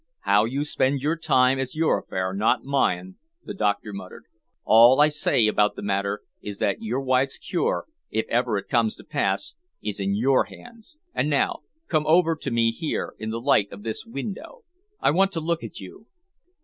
"How you spend your time is your affair, not mine," the doctor muttered. "All I say about the matter is that your wife's cure, if ever it comes to pass, is in your hands. And now come over to me here, in the light of this window. I want to look at you."